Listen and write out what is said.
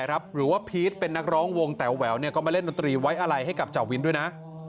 หรือว่าพีชเป็นนักร้องวงแต๋วแหววก็มาเล่นดนตรีไว้อะไรให้กับเจ้าวินด้วยนะ